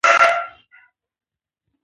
د خوښۍ نماځلو لپاره